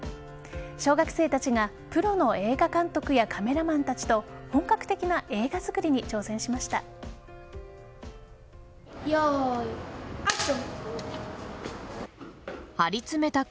小学生たちがプロの映画監督やカメラマンたちと本格的な映画作りに挑戦しました。